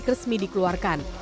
rizik resmi dikeluarkan